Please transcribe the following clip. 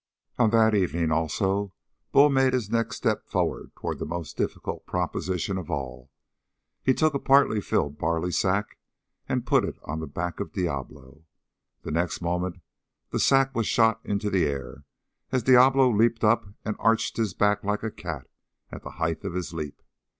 On that evening, also, Bull made his next step forward toward the most difficult proposition of all he took a partly filled barley sack and put it on the back of Diablo. The next moment the sack was shot into the air as Diablo leaped up and arched his back like a cat at the height of his leap.